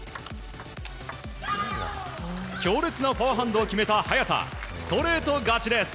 強烈なフォアハンドを決めた早田ストレート勝ちです。